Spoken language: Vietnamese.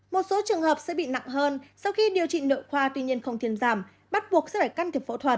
một số trường hợp sẽ bị nặng hơn sau khi điều trị nội khoa tuy nhiên không thiền giảm bắt buộc sẽ phải can thiệp phẫu thuật